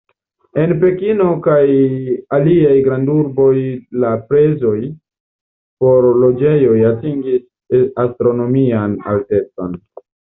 En Pekino kaj aliaj grandurboj la prezoj por loĝejoj atingis astronomian altecon.